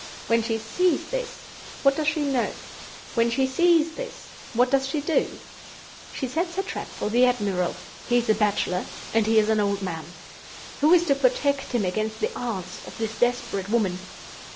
When she sees this, what does she do? She sets her trap for the admiral. He is a bachelor, and he is an old man. Who is to protect him against the arts of this desperate woman?